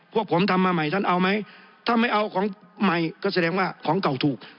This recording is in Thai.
พวกผมทำมาใหม่ท่านเอาไหมถ้าไม่เอาของใหม่ก็แสดงว่าของเก่าถูก